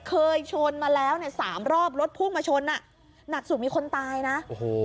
เคยชนมาแล้วเนี่ยสามรอบรถพุ่งมาชนอ่ะหนักสุดมีคนตายนะโอ้โห